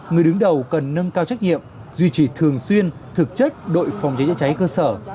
người đứng đầu cần nâng cao trách nhiệm duy trì thường xuyên thực chất đội phòng cháy chữa cháy cơ sở